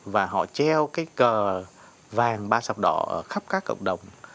và họ treo cái cờ vàng ba sạp đỏ khắp các cộng đồng